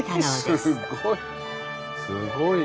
すっごい。